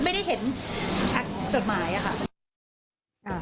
ไม่ได้เห็นจดหมายอะค่ะ